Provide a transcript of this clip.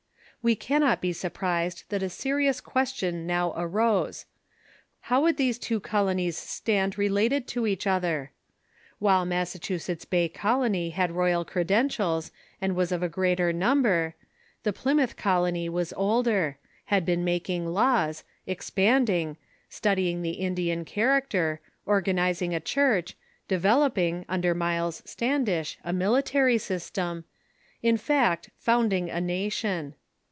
We cannot be surprised that a serious question now arose : How would these two colonies stand related to each other? While Massachusetts Bay Colony had royal credentials, and was of greater number, the Plymouth Colony was older ; had been making laws ; expanding ; study ing the Indian character; organizing a church; developing, under Miles Standish, a military system ; in fact, founding a nation.